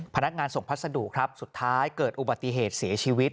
พนักงานส่งพัสดุครับสุดท้ายเกิดอุบัติเหตุเสียชีวิต